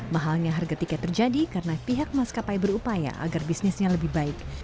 mahalnya harga tiket terjadi karena pihak maskapai berupaya agar bisnisnya lebih baik